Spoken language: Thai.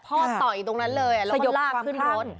พ่อต่อยตรงนั้นเลยแล้วมันล่าขึ้นร้อน